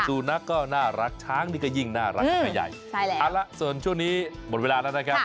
สุนัขก็น่ารักช้างนี่ก็ยิ่งน่ารักเข้าไปใหญ่เอาละส่วนช่วงนี้หมดเวลาแล้วนะครับ